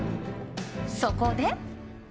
そこで。